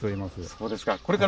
そうですか。